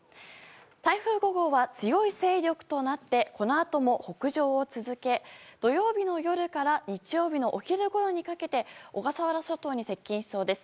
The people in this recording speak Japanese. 台風５号は強い勢力となってこのあとも北上を続け土曜日の夜から日曜日のお昼ごろにかけて小笠原諸島に接近しそうです。